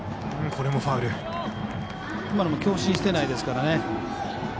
今のも強振していないですからね。